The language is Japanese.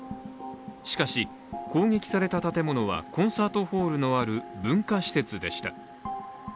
しかし、攻撃された建物はコンサートホールのある文化施設でした。